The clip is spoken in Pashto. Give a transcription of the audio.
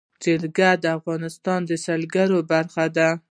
جلګه د افغانستان د سیلګرۍ برخه ده.